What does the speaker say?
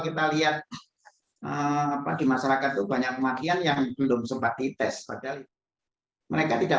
kita lihat apa di masyarakat tuh banyak kematian yang belum sempat dites padahal mereka tidak